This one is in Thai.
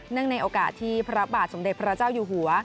ในโอกาสที่พระบาทสมเด็จพระเจ้าอยู่หัว